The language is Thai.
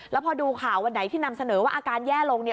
แล้วพอดูข่าววันไหนที่นำเสนอว่าอาการแย่ลงเนี่ย